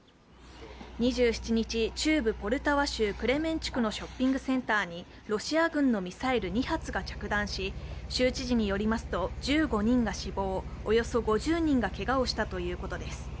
２７日、中部ポルタワ州クレメンチュクのショッピングセンターにロシア軍のミサイル２発が着弾し州知事によりますと、１５人が死亡、およそ５０人がけがをしたということです。